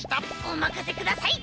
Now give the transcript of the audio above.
おまかせください！